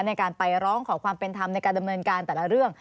ในการไปร้องขอความเป็นธรรมในการดำเนินการแต่ละเรื่อง